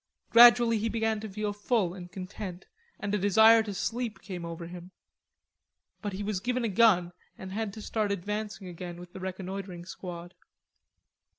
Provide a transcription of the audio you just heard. Gradually he began to feel full and content, and a desire to sleep came over him. But he was given a gun, and had to start advancing again with the reconnoitering squad.